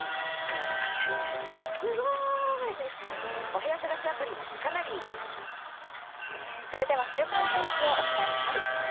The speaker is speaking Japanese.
東芝それでは週間天気をお伝えします。